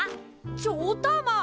ちょおたま！